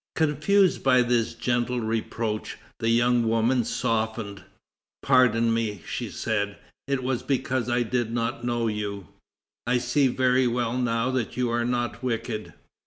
Confused by this gentle reproach, the young girl softened. "Pardon me," she said; "it was because I did not know you; I see very well now that you are not wicked."